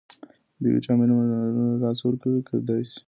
بی ویټامین او منرالونه له لاسه ورکول کېدای شي.